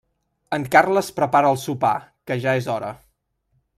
En Carles prepara el sopar que ja és hora.